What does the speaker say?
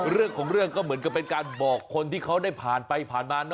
เรื่องของเรื่องก็เหมือนกับเป็นการบอกคนที่เขาได้ผ่านไปผ่านมา